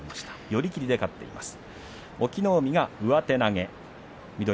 寄り切りで勝っています。